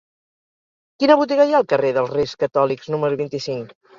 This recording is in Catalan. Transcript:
Quina botiga hi ha al carrer dels Reis Catòlics número vint-i-cinc?